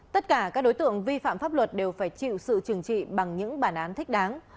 tất cả các đối tượng vi phạm pháp luật đều phải chịu sự trừng trị bằng những bản án thích đáng